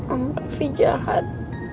om raffi jahat